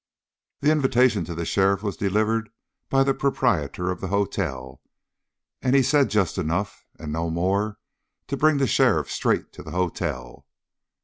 The invitation to the sheriff was delivered by the proprietor of the hotel, and he said just enough and no more to bring the sheriff straight to the hotel.